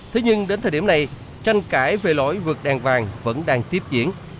thế nhưng đến thời điểm này tranh cãi về lỗi vượt đèn vàng vẫn đang tiếp diễn